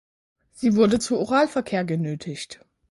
Sie wurde zu Oralverkehr genötigt.